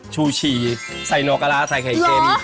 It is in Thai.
ชูชีใส่นอกร้าใส่ไข่เค็ม